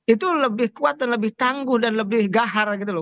itu lebih kuat dan lebih tangguh dan lebih gahar gitu loh